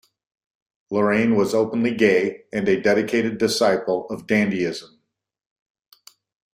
Lorrain was openly gay and a dedicated disciple of dandyism.